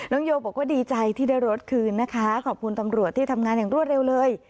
โยบอกว่าดีใจที่ได้รถคืนนะคะขอบคุณตำรวจที่ทำงานอย่างรวดเร็วเลย